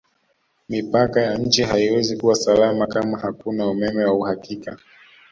Mipaka ya nchi haiwezi kuwa salama kama hakuna Umeme wa uhakika